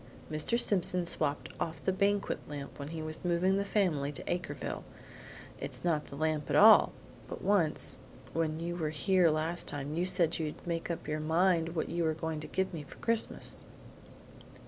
Mr. Simpson swapped off the banquet lamp when he was moving the family to Acreville; it's not the lamp at all, but once, when you were here last time, you said you'd make up your mind what you were going to give me for Christmas."